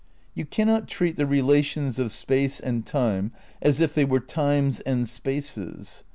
You cannot treat the rela tions of space and time as if they were times and spaces.